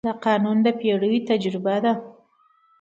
دا قانون د پېړیو تجربه ده.